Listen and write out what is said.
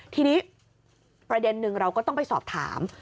ทีนี้ประเด็นหนึ่งเราก็ต้องไปสอบถาม